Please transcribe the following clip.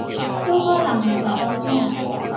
小可人个查某囝